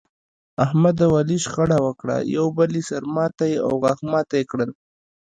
احمد او علي شخړه وکړه، یو بل یې سر ماتی او غاښ ماتی کړل.